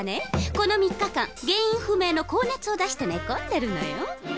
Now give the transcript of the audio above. この３日間原因不明の高熱を出して寝込んでるのよ。